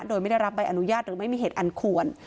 โดยไม่ได้รับใบอนุญาตหรือไม่มีเหตุอันควร